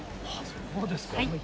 そうですか。